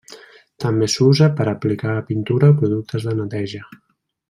També s'usa per a aplicar pintura o productes de neteja.